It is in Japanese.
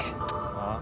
ああ？